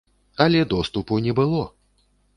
Але доступу не было!